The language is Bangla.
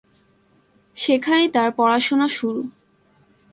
সেখানেই তার পড়াশোনা শুরু।